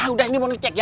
udah ini mau ngecek ya